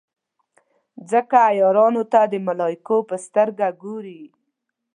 ځکه عیارانو ته د ملایکو په سترګه ګوري.